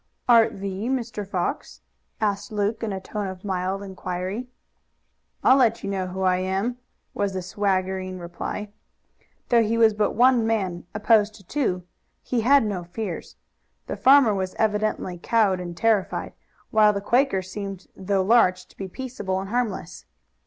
"Art thee Mr. Fox?" asked Luke in a tone of mild inquiry. "I'll let you know who I am," was the swaggering reply. Though he was but one man opposed to two he had no fears. The farmer was evidently cowed and terrified, while the Quaker seemed, though large, to be peaceable and harmless.